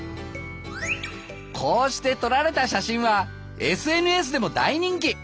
こうして撮られた写真はＳＮＳでも大人気。